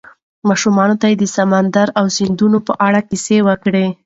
ماشومانو ته د سمندر او سیندونو په اړه کیسې وکړئ.